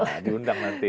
diundang nanti wali desi